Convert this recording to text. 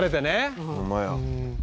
「ホンマや」